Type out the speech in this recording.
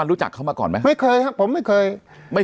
เพราะฉะนั้นประชาธิปไตยเนี่ยคือการยอมรับความเห็นที่แตกต่าง